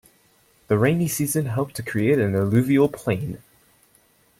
The rainy season helped to create an Alluvial plain.